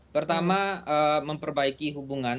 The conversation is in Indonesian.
pertama memperbaiki hubungan